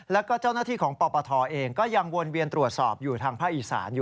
แล้วก็เจ้าหน้าที่ของปปทเองก็ยังวนเวียนตรวจสอบอยู่ทางภาคอีสานอยู่